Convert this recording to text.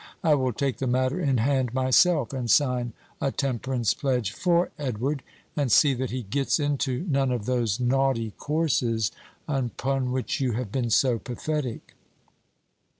I will take the matter in hand myself, and sign a temperance pledge for Edward, and see that he gets into none of those naughty courses upon which you have been so pathetic."